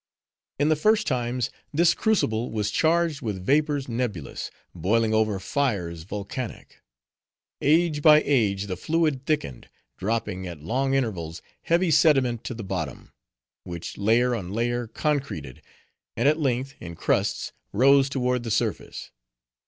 In the first times this crucible was charged with vapors nebulous, boiling over fires volcanic. Age by age, the fluid thickened; dropping, at long intervals, heavy sediment to the bottom; which layer on layer concreted, and at length, in crusts, rose toward the surface.